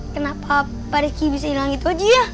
kenapa pariki bisa hilang itu aja ya